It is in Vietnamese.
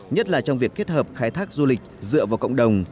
nhất là trong việc kết hợp khai thác du lịch dựa vào cộng đồng